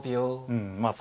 うんまあ